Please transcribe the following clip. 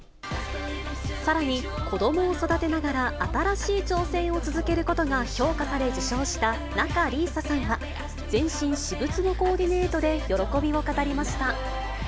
さらに子どもを育てながら、新しい挑戦を続けることが評価され受賞した仲里依紗さんは、全身私物のコーディネートで喜びを語りました。